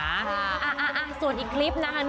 อ่าศูนย์อีกคลิปนะหนึ่ง